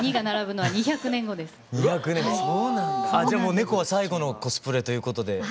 じゃあもう猫は最後のコスプレということで？